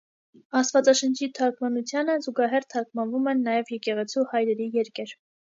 Աստվածաշնչի թարգմանությանը զուգահեռ թարգմանվում են նաև եկեղեցու հայրերի երկեր։